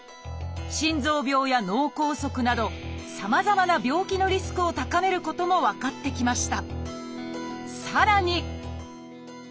心臓病や脳梗塞などさまざまな病気のリスクを高めることも分かってきました。